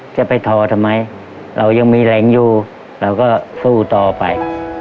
จะไปทอทำไมเรายังมีแรงอยู่เราก็สู้ต่อไป